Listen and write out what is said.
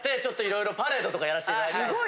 すごい！